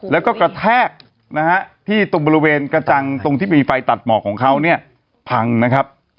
แล้วก็กระแทกนะฮะที่ตรงบริเวณกระจังตรงที่มีไฟตัดหมอกของเขาเนี่ยพังนะครับ